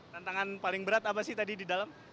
tantangan paling berat apa sih tadi di dalam